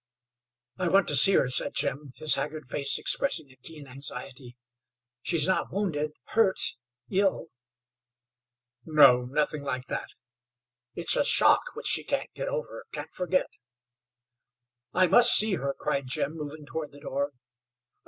"I want to see her," said Jim, his haggard face expressing a keen anxiety. "She's not wounded? hurt? ill?" "No, nothing like that. It's a shock which she can't get over, can't forget." "I must see her," cried Jim, moving toward the door.